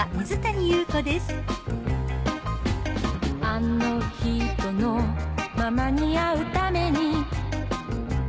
あのひとのママに会うために